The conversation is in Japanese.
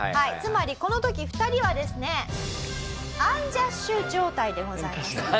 つまりこの時２人はですねアンジャッシュ状態でございました。